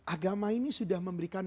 agama ini sudah memberikan